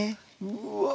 うわ！